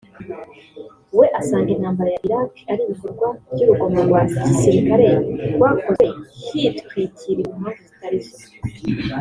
we asanga intambara ya Iraq ari “ibikorwa by’urugomo rwa gisirikare rwakozwe hitwikiriwe impamvu zitari zo”